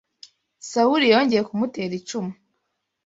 Sawuli yongeye kumutera icumu